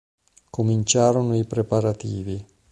Cominciarono i preparativi.